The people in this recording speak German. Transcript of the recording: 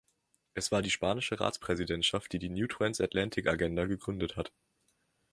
Es war die spanische Ratspräsidentschaft, die die new transatlantic agenda gegründet hat.